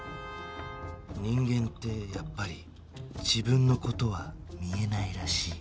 人間ってやっぱり自分の事は見えないらしい